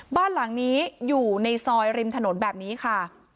บ้านหลังนี้อยู่ในซอยริมถนนแบบนี้ค่ะ